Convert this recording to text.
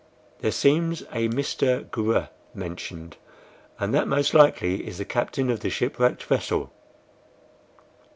There seems a Mr. Gr. mentioned, and that most likely is the captain of the shipwrecked vessel."